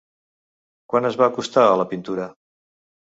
Quan es va acostar a la pintura?